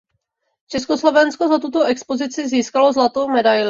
Československo za tuto expozici získalo zlatou medaili.